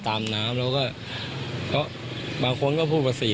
ถ้าดูคลิปของภาคดัจภาพของคนขับเรือผมมันก็